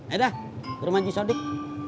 ayo dah ke rumah g sodik